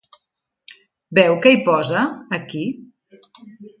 Veu què hi posa, aquí?